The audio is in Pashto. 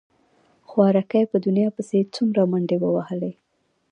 خواركى په دنيا پسې يې څومره منډې ووهلې.